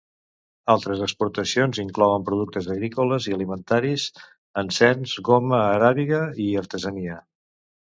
Altres exportacions inclouen productes agrícoles i alimentaris, encens, goma aràbiga, i artesania.